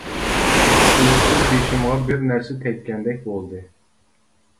تۇيۇقسىز بېشىمغا بىر نەرسە تەگكەندەك بولدى.